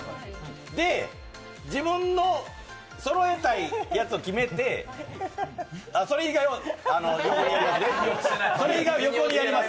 で、自分のそろえたいやつを決めてそれ以外を横にやります！